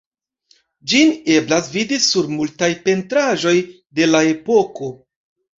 Ĝin eblas vidi sur multaj pentraĵoj de la epoko.